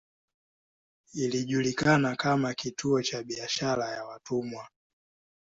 Ilijulikana kama kituo cha biashara ya watumwa.